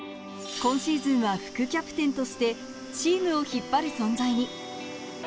今シーズンは副キャプテンとしてチームを引っ張る存在に。